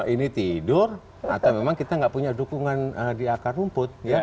ini tidur atau memang kita nggak punya dukungan di akar rumput